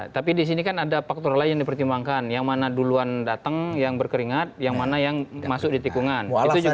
tapi di sini kan ada faktor lain yang dipertimbangkan yang mana duluan datang yang berkeringat yang mana yang masuk di tikungan